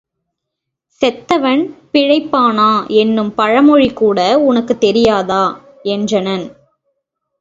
செத்தவன் பிழைப்பானா என்னும் பழ மொழி கூட உனக்குத் தெரியாதா? என்றனன்.